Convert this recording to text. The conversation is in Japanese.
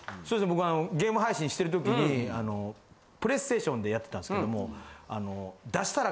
僕ゲーム配信してる時にプレイステーションでやってたんですけども。